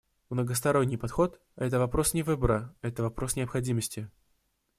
Многосторонний подход — это вопрос не выбора, это вопрос необходимости.